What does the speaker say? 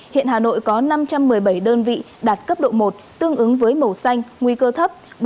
hiện hà nội có năm trăm một mươi bảy đơn vị đạt cấp độ một tương ứng với màu xanh nguy cơ thấp